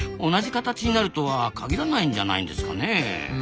同じ形になるとは限らないんじゃないんですかねえ。